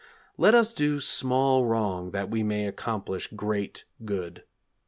Let us do small wrong that we may accomplish great good.